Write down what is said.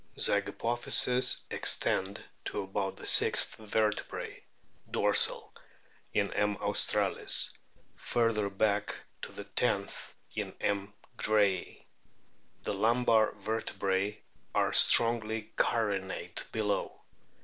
Zygapophyses extend to about the sixth vertebrae (dorsal) in M. australis, further back to the tenth in M. grayi. The lumbar vertebrae are strongly carinate below.